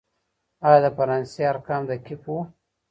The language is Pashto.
آيا د فرانسې ارقام دقيق وو؟